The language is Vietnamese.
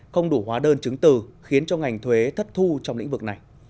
không đủ hóa đơn chứng từ khiến cho ngành thuế thất thu trong lĩnh vực này